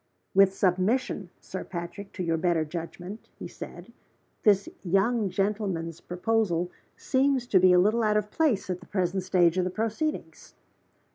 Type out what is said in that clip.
"With submission, Sir Patrick, to your better judgment," he said, "this young gentleman's proposal seems to be a little out of place at the present stage of the proceedings."